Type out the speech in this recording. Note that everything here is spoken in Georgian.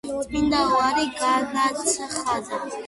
წმინდანმა უარი განაცხადა.